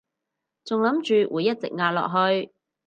仲諗住會一直壓落去